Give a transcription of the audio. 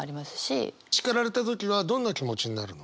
叱られた時はどんな気持ちになるの？